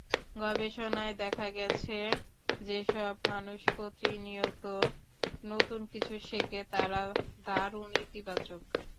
গবেষণায় দেখা গেছে, যেসব মানুষ প্রতিনিয়ত নতুন কিছু শেখে, তারা দারুণ ইতিবাচক।